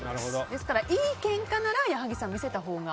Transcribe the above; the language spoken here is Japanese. ですから、いいけんかなら矢作さん、見せたほうが。